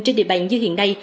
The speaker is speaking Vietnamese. trên địa bàn như hiện nay